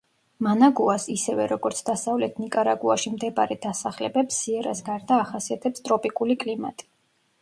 მანაგუას, ისევე, როგორც დასავლეთ ნიკარაგუაში მდებარე დასახლებებს, სიერას გარდა, ახასიათებს ტროპიკული კლიმატი.